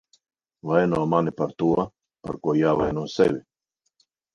Vaino mani par to, par ko jāvaino sevi.